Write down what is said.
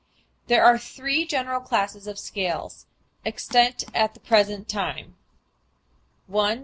There are three general classes of scales extant at the present time, viz.